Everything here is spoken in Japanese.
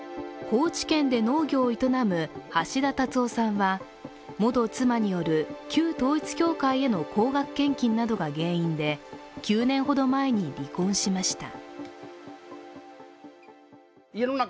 高知県で農業を営む橋田達夫さんは元妻による旧統一教会への高額献金などが原因で、９年ほど前に離婚しました。